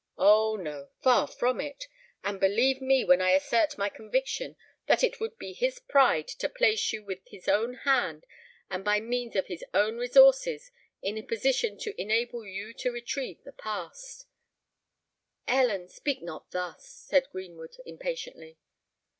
Oh! no—far from it! And believe me when I assert my conviction that it would be his pride to place you with his own hand, and by means of his own resources, in a position to enable you to retrieve the past——" "Ellen, speak not thus!" said Greenwood, impatiently.